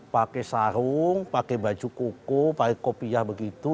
pakai sarung pakai baju kuku pakai kopiah begitu